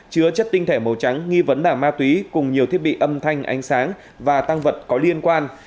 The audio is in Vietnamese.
chứa chất tinh thể màu trắng nghi vấn là ma túy cùng nhiều thiết bị âm thanh ánh sáng và tăng vật có liên quan